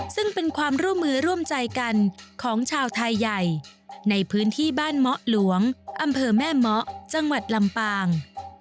ซึ่งเป็นความร่วมมือร่วมใจกันของชาวไทยใหญ่ในพื้นที่บ้านเมาะหลวงอำเภอแม่เมาะจังหวัดลำปาง